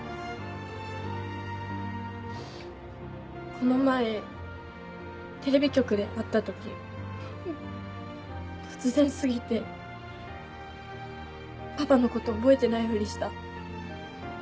この前テレビ局で会った時突然過ぎてパパのこと覚えてないフリした。